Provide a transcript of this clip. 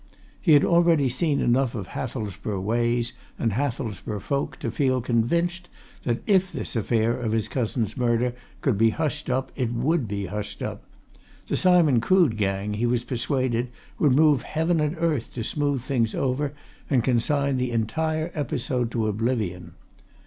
He had already seen enough of Hathelsborough ways and Hathelsborough folk to feel convinced that if this affair of his cousin's murder could be hushed up it would be hushed up the Simon Crood gang, he was persuaded, would move heaven and earth to smooth things over and consign the entire episode to oblivion.